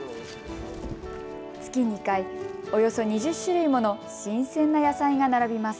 月２回、およそ２０種類もの新鮮な野菜が並びます。